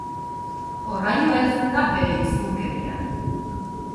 Horraino heltzen da bere lizunkeria.